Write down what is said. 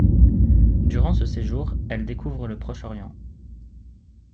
Durant ce séjour, elle découvre le Proche-Orient.